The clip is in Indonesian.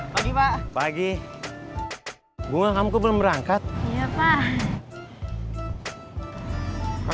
pagi pagi bunga kamu belum berangkat ya pak